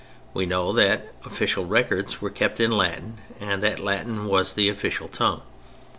We know that official records were kept in Latin and that Latin was the official tongue.